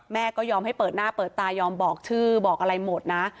แม่ก็ยอมให้เปิดหน้าเปิดตายอมบอกชื่อบอกอะไรหมดนะ